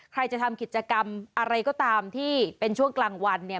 ใครจะทำกิจกรรมอะไรก็ตามที่เป็นช่วงกลางวันเนี่ย